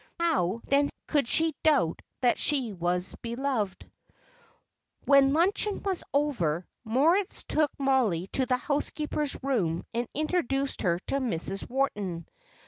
How, then, could she doubt that she was beloved? When luncheon was over, Moritz took Mollie to the housekeeper's room and introduced her to Mrs. Wharton.